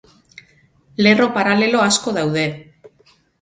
Lerro paralelo asko daude.